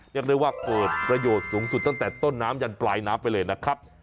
เรียกได้ว่าเกิดประโยชน์สูงสุดตั้งแต่ต้นน้ำยันปลายน้ำไปเลยนะครับ